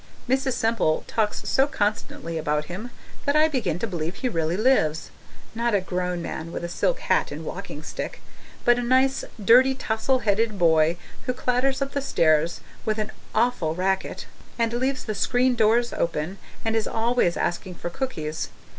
Mrs. Semple talks so constantly about him that I begin to believe he really lives not a grown man with a silk hat and walking stick, but a nice, dirty, tousle headed boy who clatters up the stairs with an awful racket, and leaves the screen doors open, and is always asking for cookies.